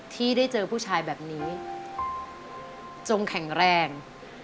ที่ได้เจอผู้ชายแบบนี้จงแข็งแรง